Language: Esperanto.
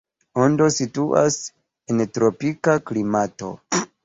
Ondo situas en tropika klimato.